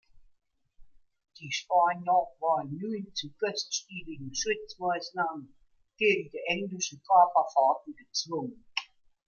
Die Spanier waren nun zu kostspieligen Schutzmaßnahmen gegen die englischen Kaperfahrten gezwungen.